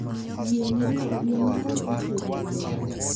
Yie nimo ka chiegni gowo